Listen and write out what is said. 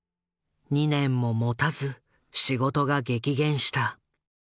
２年ももたず仕事が激減した。